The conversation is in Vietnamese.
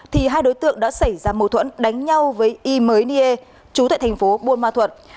thì hai đối tượng đã xảy ra mâu thuẫn đánh nhau với y mới niê chú tại thành phố buôn ma thuận